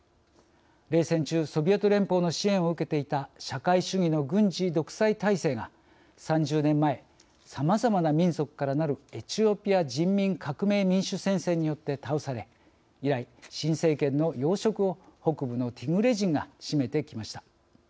冷戦中ソビエト連邦の支援を受けていた社会主義の軍事独裁体制が、３０年前さまざまな民族からなるエチオピア人民革命民主戦線によって倒され以来、新政府の要職を北部のティグレ人が占めてきました。